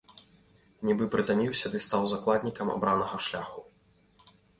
Нібы прытаміўся ды стаў закладнікам абранага шляху.